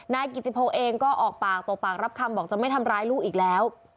นายกิติพงศ์เองก็ออกปากตบปากรับคำบอกจะไม่ทำร้ายลูกอีกแล้ว